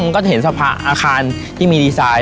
ก็จะเห็นสภาอาคารที่มีดีไซน์